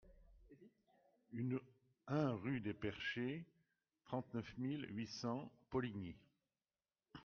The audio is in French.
un rue des Perchées, trente-neuf mille huit cents Poligny